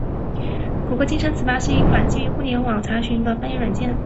谷歌金山词霸是一款基于互联网查询的翻译软件。